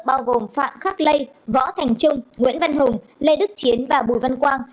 bao gồm phạm khắc lê võ thành trung nguyễn văn hùng lê đức chiến và bùi văn quang